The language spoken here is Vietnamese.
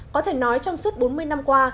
có thể nói trong suốt bốn mươi năm qua